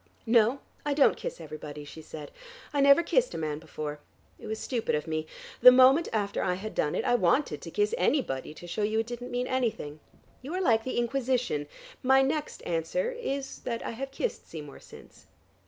"No, I don't kiss everybody," she said. "I never kissed a man before. It was stupid of me. The moment after I had done it I wanted to kiss anybody to show you it didn't mean anything. You are like the Inquisition. My next answer is that I have kissed Seymour since.